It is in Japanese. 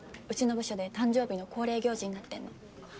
うちの部署で誕生日の恒例行事になってんの。